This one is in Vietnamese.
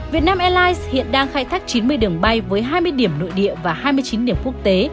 việt nam airlines hiện đang khai thác chín mươi đường bay với hai mươi điểm nội địa và hai mươi chín điểm quốc tế